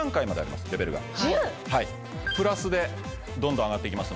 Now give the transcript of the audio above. １０⁉プラスでどんどん上がっていきますんで。